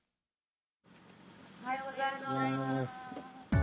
おはようございます。